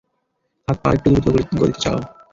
হাত পা আরেকটু দ্রুত গতিতে চালাও!